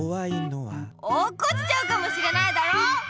落っこちちゃうかもしれないだろ！